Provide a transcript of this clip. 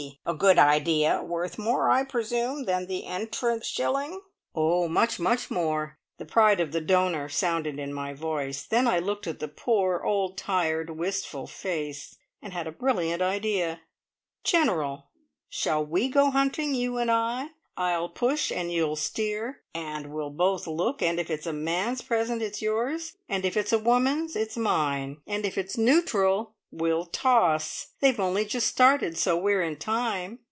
A good idea. Worth more, I presume, than the entrance shilling?" "Oh, much, much more." The pride of the donor sounded in my voice; then I looked at the poor, old, tired, wistful face, and had a brilliant idea. "General, shall we go hunting you and I? I'll push and you'll steer, and we'll both look, and if it's a man's present, it's yours, and if it's a woman's, it's mine, and if it's neutral, we'll toss! They've only just started, so we're in time."